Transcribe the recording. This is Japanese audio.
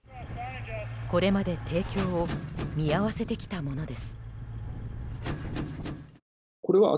これまで提供を見合わせてきたものです。